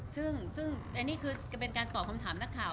ซึ่งอันนี้คือเป็นการตอบคำถามนักข่าว